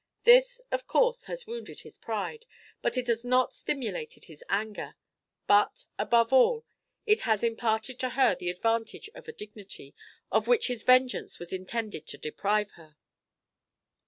This, of course, has wounded his pride, but it has not stimulated his anger; but, above all, it has imparted to her the advantage of a dignity of which his vengeance was intended to deprive her."